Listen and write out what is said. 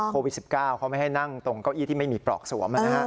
โควิด๑๙เขาไม่ให้นั่งตรงเก้าอี้ที่ไม่มีปลอกสวม